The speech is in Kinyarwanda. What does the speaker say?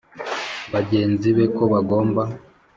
bagenzi be ko bagomba